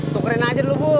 tukerin aja dulu bu